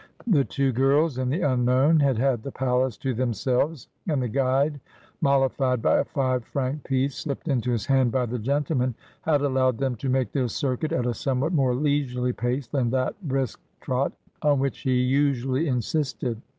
The two girls and the unknown had had the palace to themselves, and the guide, mollified by a five franc piece slipped into his hand by the gentleman, had allowed them to make their circuit at a somewhat more leisurely pace than that brisk trot on which he usually insisted.